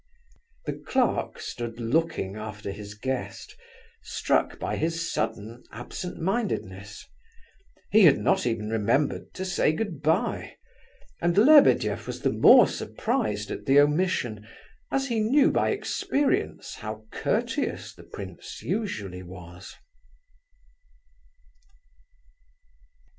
The clerk stood looking after his guest, struck by his sudden absent mindedness. He had not even remembered to say goodbye, and Lebedeff was the more surprised at the omission, as he knew by experience how courteous the prince usually was.